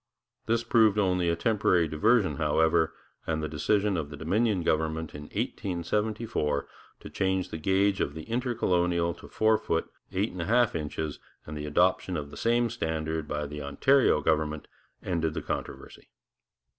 This proved only a temporary diversion, however, and the decision of the Dominion government in 1874 to change the gauge of the Intercolonial to four feet eight and a half inches, and the adoption of the same standard by the Ontario government, ended the controversy.